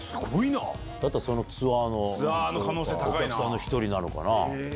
だったらそのツアーのお客さんの１人なのかな。